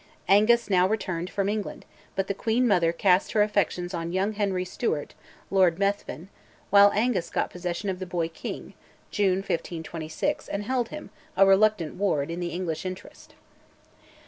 Angus now returned from England; but the queen mother cast her affections on young Henry Stewart (Lord Methven), while Angus got possession of the boy king (June 1526) and held him, a reluctant ward, in the English interest.